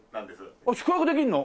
宿泊できるの！？